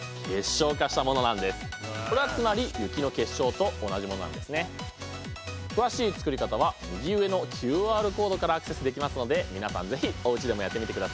これはつまり詳しい作り方は右上のＱＲコードからアクセスできますので皆さん是非おうちでもやってみてくださいね。